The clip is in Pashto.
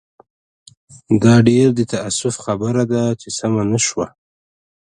دا ډېر د تاسف خبره ده چې سمه نه شوه.